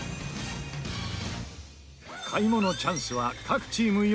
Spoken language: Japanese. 買い物チャンスは各チーム４回。